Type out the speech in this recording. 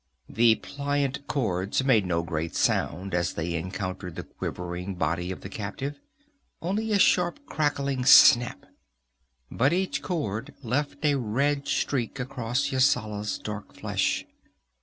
The pliant cords made no great sound as they encountered the quivering body of the captive; only a sharp crackling snap, but each cord left a red streak across Yasala's dark flesh.